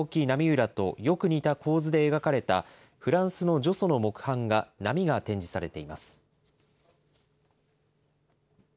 浪裏とよく似た構図で描かれたフランスのジョソの木版画、波が展示されています。